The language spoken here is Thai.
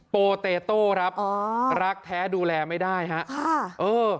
โปเตโต้ครับอ๋อรักแท้ดูแลไม่ได้ฮะค่ะเออ